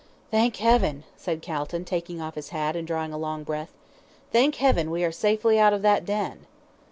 "Thank heaven," said Calton, taking off his hat, and drawing a long breath. "Thank heaven we are safely out of that den!"